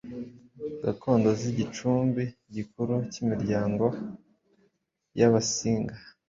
Gakondo z’ igicumbi gikuru cy’imiryango y’Abasinga